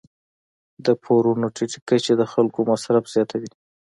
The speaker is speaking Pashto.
د پورونو ټیټې کچې د خلکو مصرف زیاتوي.